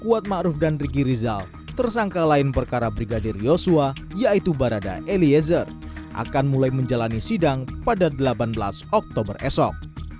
buat ma'ruf dan ricky rizal tersangka lain perkara brigadir yosua yaitu barada eliezer akan mulai menjalani sidang pada delapan belas oktober esok